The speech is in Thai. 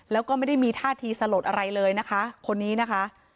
แล้วก็ไม่ได้มีท่าทีสลดอะไรเลยนะคะคนนี้นะคะ